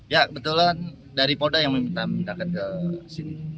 ya kebetulan dari polda yang meminta mintakan ke sini